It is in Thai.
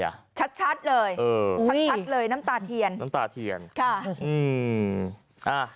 ชัดชัดเลยเออชัดชัดเลยน้ำตาเทียนน้ำตาเทียนค่ะอืมอ่า